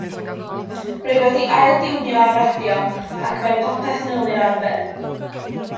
Rwy wedi ail diwnio'r radio ac mae popeth nôl i'r arfer.